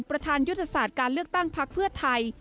ประธานยุทธศาสตร์การเลือกตั้งพักเพื่อไทย